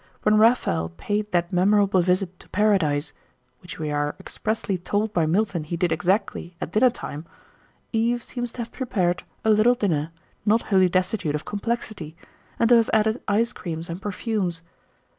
When Raphael paid that memorable visit to Paradise, which we are expressly told by Milton he did exactly at dinner time, Eve seems to have prepared "a little dinner" not wholly destitute of complexity, and to have added ice creams and perfumes.